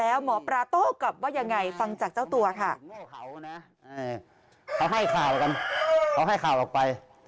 แล้วหมอปลาโต้กลับว่ายังไงฟังจากเจ้าตัวค่ะ